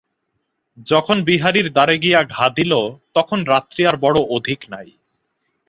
যখন বিহারীর দ্বারে গিয়া ঘা দিল, তখন রাত্রি আর বড়ো অধিক নাই।